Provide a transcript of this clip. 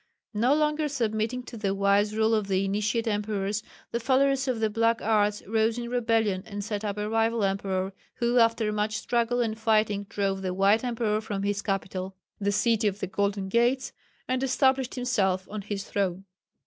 No longer submitting to the wise rule of the Initiate emperors, the followers of the "black arts" rose in rebellion and set up a rival emperor, who after much struggle and fighting drove the white emperor from his capital, the "City of the Golden Gates," and established himself on his throne.